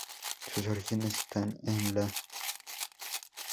Sus orígenes están en la H. Cd.